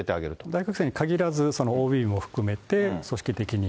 大学生に限らず、そのＯＢも含めて、組織的に。